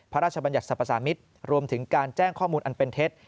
บรรยัติสรรพสามิตรรวมถึงการแจ้งข้อมูลอันเป็นเท็จ